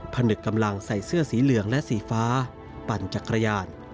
ผนึกกำลังใส่เสื้อสีเหลืองและสีฟ้าปั่นจักรยาน